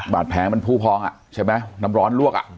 บาดแผลมันผู้พองอ่ะใช่ไหมน้ำร้อนลวกอ่ะ